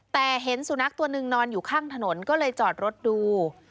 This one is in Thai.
แต่เห็นสุนัขตัวหนึ่งนอนอยู่ข้างถนนก็เลยจอดรถดู